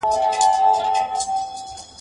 هسي نه سبا پښېمانه سی یارانو !.